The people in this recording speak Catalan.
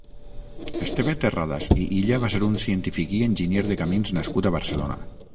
Esteve Terradas i Illa va ser un científic i enginyer de camins nascut a Barcelona.